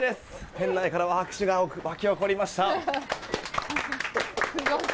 店内からは拍手が沸き起こりました。